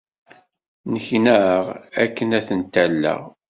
Nneknaɣ akken ad tent-alleɣ.